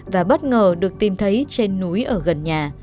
và bất ngờ được tìm thấy trên núi ở gần nhà